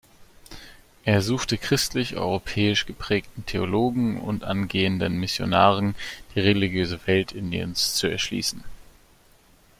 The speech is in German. Er suchte christlich-europäisch geprägten Theologen und angehenden Missionaren die religiöse Welt Indiens zu erschließen.